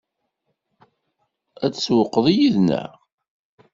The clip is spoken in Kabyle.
Ad tsewwqeḍ yid-neɣ?